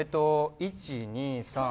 １、２、３。